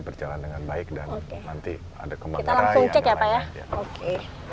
berjalan dengan baik dan nanti ada kembang raya ya pak ya oke